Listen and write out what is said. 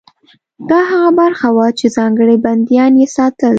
دا هغه برخه وه چې ځانګړي بندیان یې ساتل.